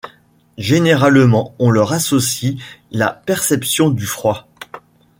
Généralement on leur associe la perception du froid.